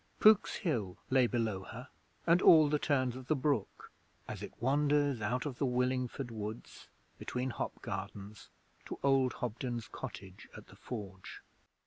Pook's Hill lay below her and all the turns of the brook as it wanders out of the Willingford Woods, between hop gardens, to old Hobden's cottage at the Forge.